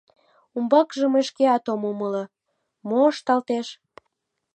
Умбакыже мый шкеат ом умыло, мо ышталтеш.